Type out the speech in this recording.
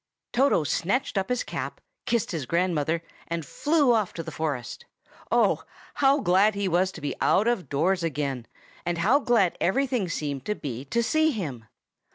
Toto snatched up his cap, kissed his grandmother, and flew off to the forest. Oh, how glad he was to be out of doors again, and how glad everything seemed to be to see him!